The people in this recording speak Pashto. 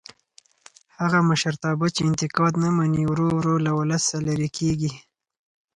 هغه مشرتابه چې انتقاد نه مني ورو ورو له ولسه لرې کېږي